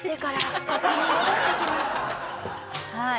はい。